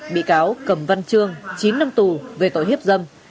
bị cáo cầm văn trương chín năm tù về tội hiếp dâm